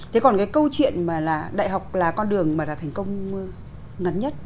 thế còn cái câu chuyện mà là đại học là con đường mà là thành công ngắn nhất